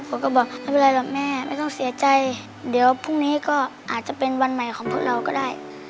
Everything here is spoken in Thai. เขาบอกไม่เป็นไรหรอกแม่ไม่ต้องเสียใจเดี๋ยวพรุ่งนี้ก็อาจจะเป็นวันใหม่ของพวกเราก็ได้